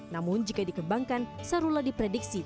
namun jika dikembangkan sarula diprediksi